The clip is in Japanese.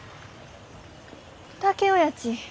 竹雄やち